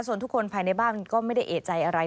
ส่วนทุกคนภายในบ้านก็ไม่ได้เอกใจอะไร